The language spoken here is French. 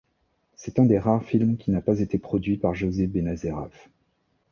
C'est un des rares films qui n'a pas été produit par José Benazeraf.